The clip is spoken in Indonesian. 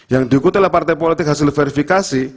yang diikuti oleh partai politik hasil verifikasi